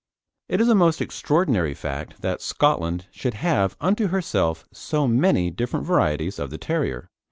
It is a most extraordinary fact that Scotland should have unto herself so many different varieties of the terrier.